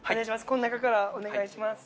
この中からお願いします。